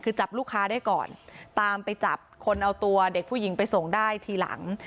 คือจับลูกค้าได้ก่อนตามไปจับคนเอาตัวเด็กผู้หญิงไปส่งได้ทีหลัง